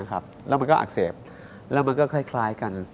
แล้วมันก็อักเสบแล้วมันก็คล้ายกัน